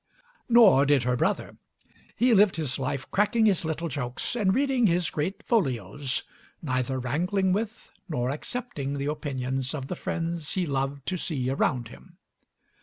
Nor did her brother. He lived his life cracking his little jokes and reading his great folios, neither wrangling with nor accepting the opinions of the friends he loved to see around him.